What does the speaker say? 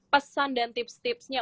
pesan dan tips tipsnya